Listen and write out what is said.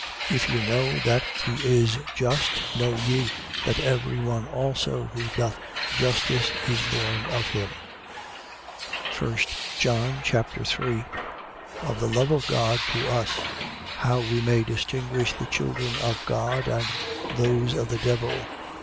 2:29. If you know that he is just, know ye, that every one also who doth justice is born of him. 1 John Chapter 3 Of the love of God to us. How we may distinguish the children of God and those of the devil.